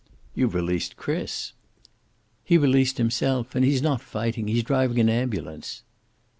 "You've released Chris." "He released himself. And he's not fighting. He's driving an ambulance."